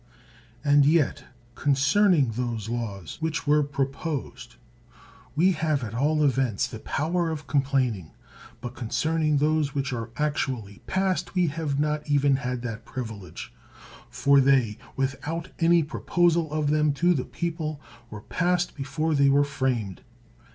And yet, concerning those laws which were proposed, we have, at all events, the power of complaining ; but concerning those which are ac tually passed we have not even had that privi lege. For they, without any proposal of them to the people, were passed before they were framed.